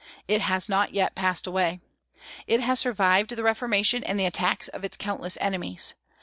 It has not yet passed away. It has survived the Reformation and the attacks of its countless enemies.